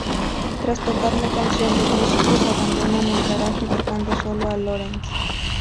Tras tocar la canción, los músicos abandonan el garaje dejando solo a Lorenz.